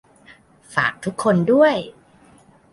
ฝากทุกคนด้วย